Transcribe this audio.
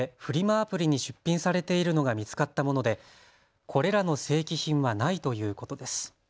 アプリに出品されているのが見つかったもので、これらの正規品はないということです。